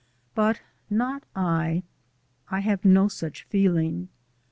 But not I. I have no such feeling.